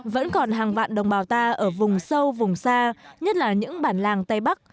vẫn còn hàng vạn đồng bào ta ở vùng sâu vùng xa nhất là những bản làng tây bắc